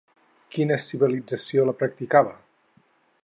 Quina civilització la practicava?